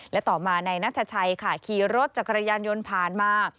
และต่อมานายนัทชัยค่ะขี่รถจักรยานยนต์ผ่านมา